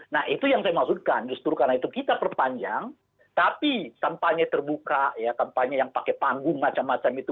nah itu yang saya maksudkan justru karena itu kita perpanjang tapi kampanye terbuka ya kampanye yang pakai panggung macam macam itu